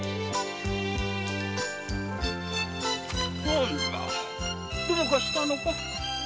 何だどうかしたのか？